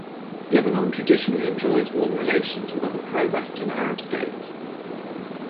Lebanon traditionally enjoys warm relations with other pro-Western Arab states.